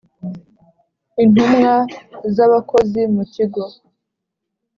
intumwa z abakozi mu kigo